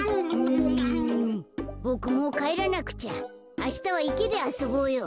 ボクもうかえらなくちゃ。あしたはいけであそぼうよ。